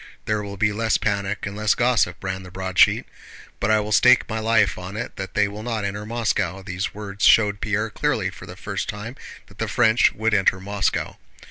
"There will be less panic and less gossip," ran the broadsheet "but I will stake my life on it that that scoundrel will not enter Moscow." These words showed Pierre clearly for the first time that the French would enter Moscow.